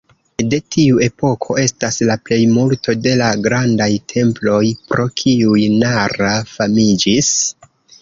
De tiu epoko estas la plejmulto de la grandaj temploj pro kiuj Nara famiĝis.